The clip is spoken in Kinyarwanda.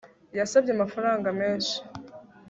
Yasabye amafaranga menshi